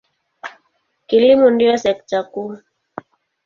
Kilimo ndiyo sekta kuu.